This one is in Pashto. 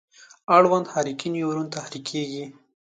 اړوند حرکي نیورون تحریکیږي.